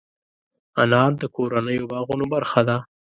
انار د کورنیو باغونو برخه ده.